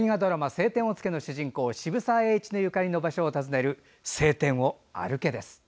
「青天を衝け」の主人公渋沢栄一のゆかりの場所を訪ねる「青天を歩け！」です。